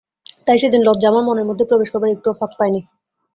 তাই সেদিন লজ্জা আমার মনের মধ্যে প্রবেশ করবার একটুও ফাঁক পায় নি।